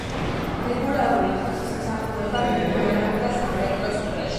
რეგულარული ღვთისმსახურება მიმდინარეობდა სამრეკლოს ქვეშ.